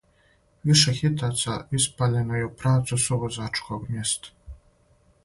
Више хитаца испаљено је у правцу сувозачког места.